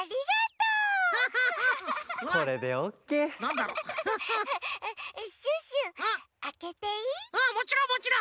うんもちろんもちろん。